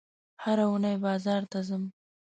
هره اونۍ بازار ته ځم